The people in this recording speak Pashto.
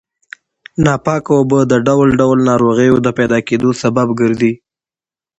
ناپاکه اوبه د ډول ډول ناروغیو د پیدا کېدو سبب ګرځي.